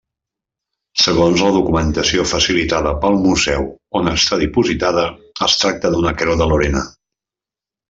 Segons la documentació facilitada pel museu on està dipositada es tracta d'una Creu de Lorena.